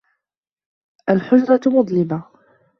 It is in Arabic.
الْحُجْرَةُ مُظْلِمَةٌ.